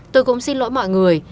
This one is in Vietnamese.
tôi cũng xin lỗi mọi người